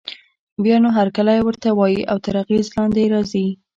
بيا نو هرکلی ورته وايي او تر اغېز لاندې يې راځي.